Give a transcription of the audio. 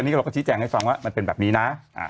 ชินะคะชิจะแจ้งให้ฟังว่ามันเป็นแบบมีนะ